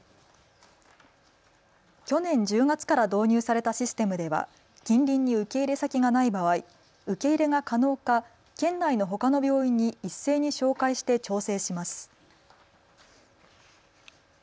去年１０月から導入されたシステムでは近隣に受け入れ先がない場合、受け入れが可能か県内のほかの病院に一斉に照会して調整します。